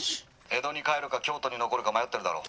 「江戸に帰るか京都に残るか迷ってるだろ」。